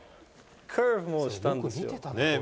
カーブもしたんですよ。